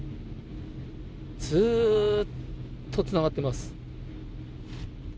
ずっとつながってます。